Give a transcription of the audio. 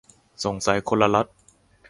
สงสัยคนละล็อต